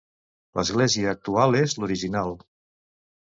L'església actual és l'original.